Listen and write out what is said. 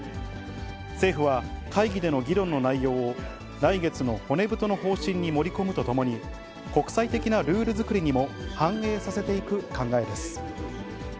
政府は会議での議論の内容を来月の骨太の方針に盛り込むとともに、国際的なルール作りにも反映させていく考えです。